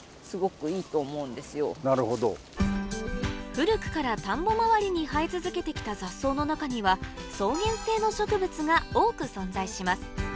古くから田んぼ周りに生え続けてきた雑草の中には草原性の植物が多く存在します